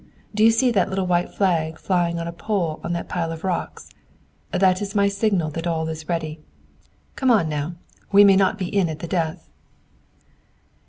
Do you see that little white flag flying on a pole on that pile of rocks? That is my signal that all is ready. Come on, now. We may not be in at the death."